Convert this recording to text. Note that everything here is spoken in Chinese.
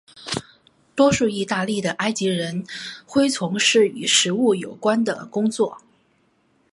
多数义大利的埃及人恢从事与食物有关的工作。